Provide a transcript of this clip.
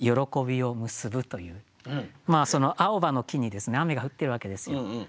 青葉の木に雨が降ってるわけですよ。